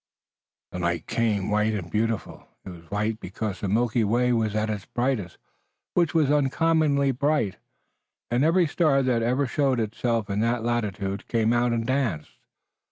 The night came, white and beautiful. It was white, because the Milky Way was at its brightest, which was uncommonly bright, and every star that ever showed itself in that latitude came out and danced.